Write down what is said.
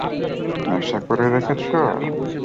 নেশা করে রেখেছ?